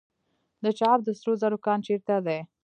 د چاه اب د سرو زرو کان چیرته دی؟